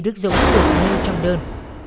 lê đức dũng cũng như trong đơn